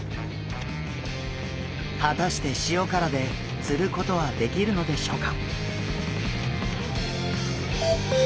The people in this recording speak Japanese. はたして塩辛でつることはできるのでしょうか？